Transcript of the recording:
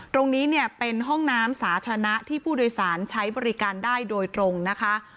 ตรงนี้เนี่ยเป็นห้องน้ำสาธารณะที่ผู้โดยสารใช้บริการได้โดยตรงนะคะ